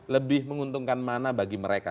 lebih menguntungkan mana bagi mereka